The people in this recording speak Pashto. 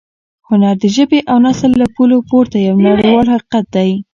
هنر د ژبې او نسل له پولو پورته یو نړیوال حقیقت دی.